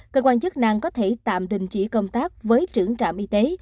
cơ quan chức năng có thể tạm đình chỉ công tác với trưởng trạm y tế